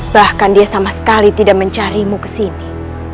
bahkan dia sama sekali tidak mencarimu kesini